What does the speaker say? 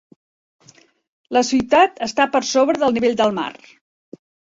La ciutat està per sobre del nivell del mar.